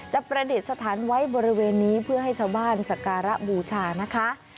ประดิษฐานไว้บริเวณนี้เพื่อให้ชาวบ้านสการะบูชานะคะ